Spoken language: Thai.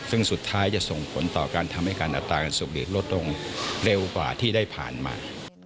ซึ่งสุดท้ายจะส่งผลต่อการทำให้การอัตราการสูบลดลงเร็วกว่าที่ได้ผ่านมา